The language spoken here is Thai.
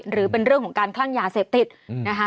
หรือเป็นเรื่องของการคลั่งยาเสพติดนะคะ